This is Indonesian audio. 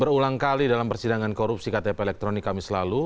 sebut berulang kali dalam persidangan korupsi ktp elektronik kami selalu